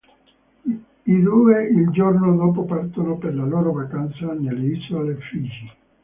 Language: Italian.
I due il giorno dopo partono per la loro vacanza nelle isole Figi.